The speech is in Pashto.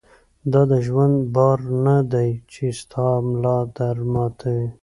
دا دژوند بار نۀ دی چې ستا ملا در ماتوي